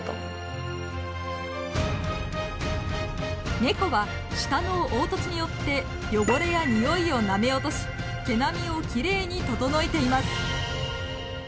ネコは舌の凹凸によって汚れやにおいをなめ落とし毛並みをきれいに整えています。